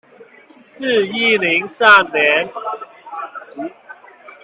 自一零三年起